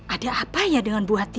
ada apa ya dengan bu hati